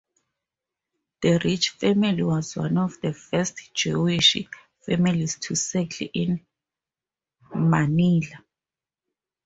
The Rich family was one of the first Jewish families to settle in Manila.